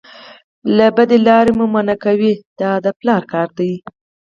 له بدې لارې مو منع کوي دا د پلار کار دی.